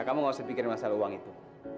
kamu gak usah pikirin masalah uang itu